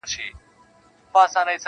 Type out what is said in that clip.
• یوه ورځ وو پیر بازار ته راوتلی -